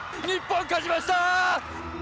日本、勝ちました！